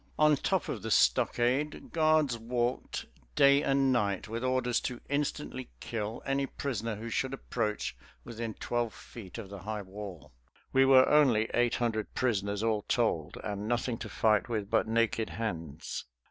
On top of the stockade guards walked day and night with orders to instantly kill any prisoner who should approach within twelve feet of the high wall. We were only eight hundred prisoners all told, and nothing to fight with but naked hands.